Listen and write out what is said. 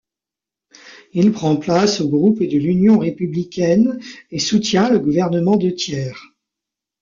Il prend place au groupe de l'Union républicaine et soutient le gouvernement de Thiers.